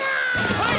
はい！